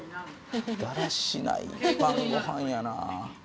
だらしない晩ご飯やな。